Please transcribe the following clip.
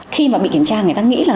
khi mà bị kiểm tra người ta nghĩ là